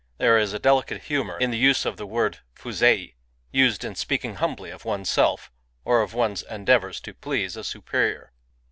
There is a delicate humour in the use of the word Jitwi^ used in speaking humbly of one*8 self, or of one*8 endeavours to please a superior.